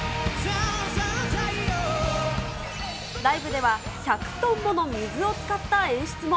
ライブでは１００トンもの水を使った演出も。